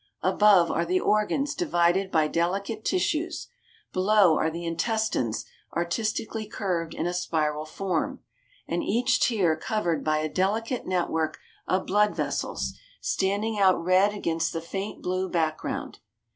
Above are the organs divided by delicate tissues; below are the intestines artistically curved in a spiral form, and each tier covered by a delicate network of blood vessels standing out red against the faint blue background.